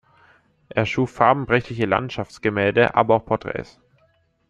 Er schuf farbenprächtige Landschaftsgemälde, aber auch Porträts.